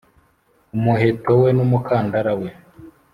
umuheto we n umukandara we